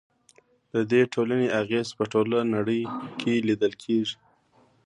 د دې ټولنې اغیز په ټوله نړۍ کې لیدل کیږي.